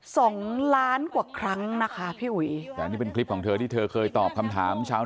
สองล้านกว่าครั้งนะคะพี่อุ๋ยแต่อันนี้เป็นคลิปของเธอที่เธอเคยตอบคำถามชาว